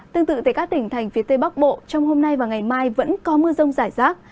tương tự tại các tỉnh thành phía tây bắc bộ trong hôm nay và ngày mai vẫn có mưa rông rải rác